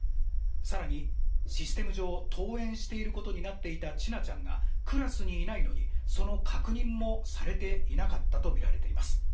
更に、システム上登園していることになっていた千奈ちゃんがクラスにいないのにその確認もされていなかったとみられています。